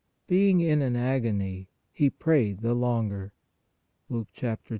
" Being in an agony, He prayed the longer " (Luke 22.